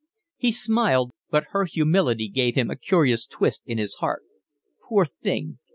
He smiled, but her humility gave him a curious twist in his heart. Poor thing!